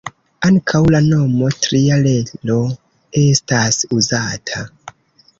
Ankaŭ la nomo ""tria relo"" estas uzata.